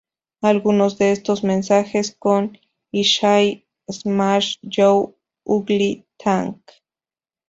Algunos de estos mensajes son "I shall smash your ugly tank!